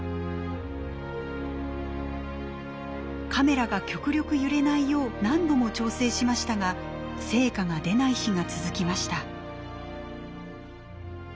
カメラが極力揺れないよう何度も調整しましたが成果が出ない日が続きました。